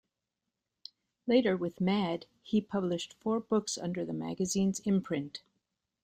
Later with "Mad" he published four books under the magazine's imprint.